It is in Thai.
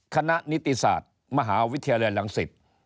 คณะนิติศาสตร์มหาวิทยาลัยลังศิษฐ์